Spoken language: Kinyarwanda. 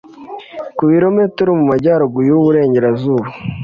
ku birometero mu majyaruguru y uburengerazuba